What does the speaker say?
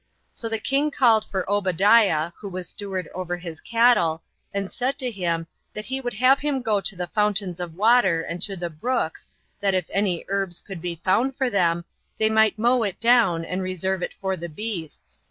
So the king called for Obadiah, who was steward over his cattle, and said to him, that he would have him go to the fountains of water, and to the brooks, that if any herbs could be found for them, they might mow it down, and reserve it for the beasts.